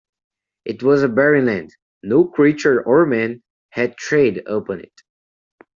It was a barren land, no creature or man had tread upon it.